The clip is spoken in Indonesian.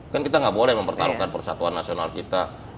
kan kita nggak boleh mempertaruhkan persatuan nasional kita